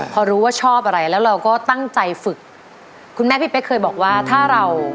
พอรู้ว่าชอบอะไรแล้วเราก็ตั้งใจฝึกคุณแม่พี่เป๊กเคยบอกว่าถ้าเรา